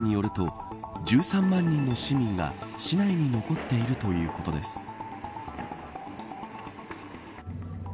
市長によると１３万人の市民が市内に残っているということです。